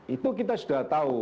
itu kita sudah tahu